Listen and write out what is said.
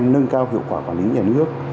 nâng cao hiệu quả quản lý nhà nước